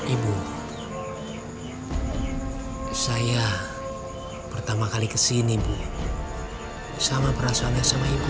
ibu saya pertama kali kesini sama perasaan saya sama ibu